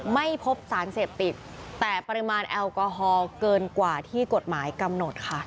ไม่พบสารเสพติดแต่ปริมาณแอลกอฮอลเกินกว่าที่กฎหมายกำหนดค่ะ